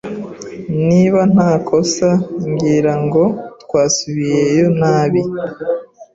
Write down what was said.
Niba ntakosa, ngira ngo twasubiyeyo nabi.